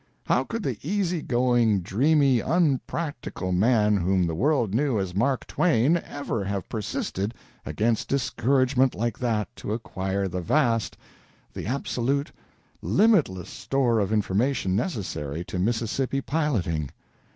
How could the easy going, dreamy, unpractical man whom the world knew as Mark Twain ever have persisted against discouragement like that to acquire the vast, the absolute, limitless store of information necessary to Mississippi piloting?